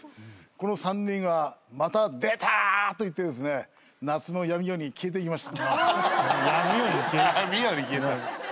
この３人はまた「出た！」と言ってですね夏の闇夜に消えていきました。